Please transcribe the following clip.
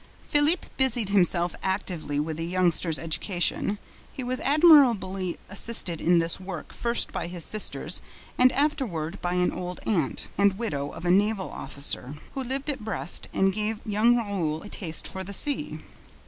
Philippe busied himself actively with the youngster's education. He was admirably assisted in this work first by his sisters and afterward by an old aunt, the widow of a naval officer, who lived at Brest and gave young Raoul a taste for the sea.